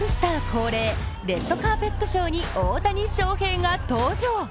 恒例、レッドカーペットショーに大谷翔平が登場。